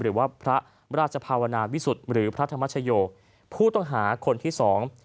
หรือว่าพระราชภาวนาวิสุทธิ์หรือพระธรรมชโยผู้ต้องหาคนที่สอง